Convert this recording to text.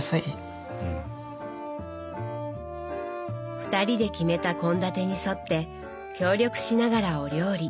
２人で決めた献立に沿って協力しながらお料理。